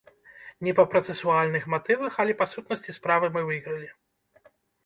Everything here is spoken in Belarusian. Не па працэсуальных матывах, але па сутнасці справы мы выйгралі.